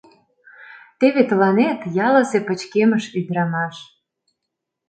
Теве тыланет ялысе пычкемыш ӱдрамаш!»